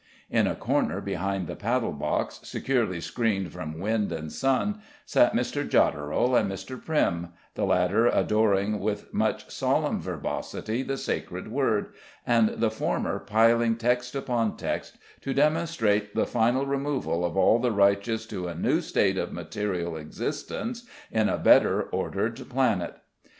In a corner behind the paddle box, securely screened from wind and sun, sat Mr. Jodderel and Mr. Primm, the latter adoring with much solemn verbosity the sacred word, and the former piling text upon text to demonstrate the final removal of all the righteous to a new state of material existence in a better ordered planet.